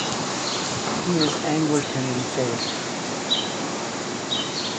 He is Anglican in faith.